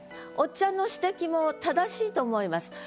おっちゃんの指摘も正しいと思います。